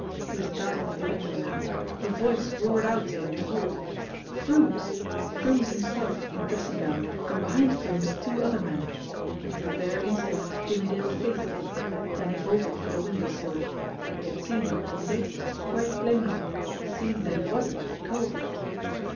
He was darting for the window now. A voice roared out to him to halt. Froomes! Froomes himself in dressing gown, and behind Froomes two other men. And for a bare instant Jimmie Dale faced them, then he vaulted for the window sill. They had seen him, hadn't they quite plainly seen that he wasn't Culver